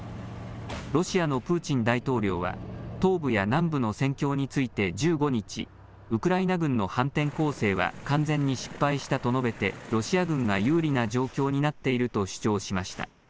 ロシアのプーチン大統領は東部や南部の戦況について１５日、ウクライナ軍の反転攻勢は完全に失敗したと述べてロシア軍が有利な状況になっていると主張しました。